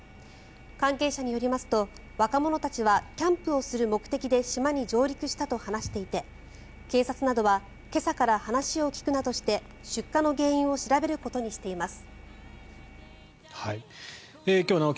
関係者によりますと若者たちはキャンプをする目的で島に上陸したと話していて警察などは今朝から話を聞くなどして出火の原因を調べることにしています。